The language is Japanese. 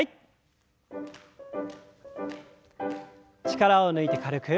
力を抜いて軽く。